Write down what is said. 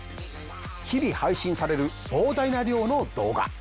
日々配信される膨大な量の動画。